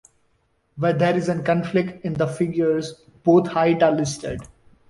Where there is a conflict in the figures both heights are listed.